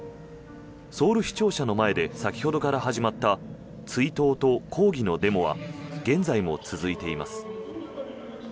ソウル市庁舎の前で先ほどから始まった追悼と抗議のデモは現在も続いています。